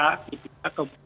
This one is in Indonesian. jadi kita kembali ke komoditas